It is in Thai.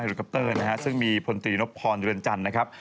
ฮิลลูกัปเตอร์ซึ่งมีพลตรีนกพรเรือนจันทร์นะครับ